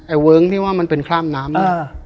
ไอ้เวิงที่ว่ามันเป็นครามน้ำ